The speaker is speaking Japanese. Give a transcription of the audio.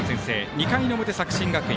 ２回の表、作新学院。